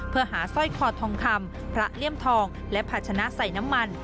เพื่อหาสร้อยคอทองคำพระเลี่ยมทองและภาชนะใส่น้ำมัน